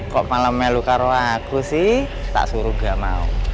kok malamnya luka roh aku sih tak suruh gak mau